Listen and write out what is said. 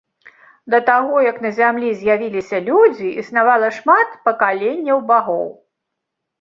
Да таго, як на зямлі з'явіліся людзі, існавала шмат пакаленняў багоў.